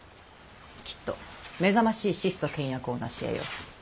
きっと目覚ましい質素倹約を成しえよう。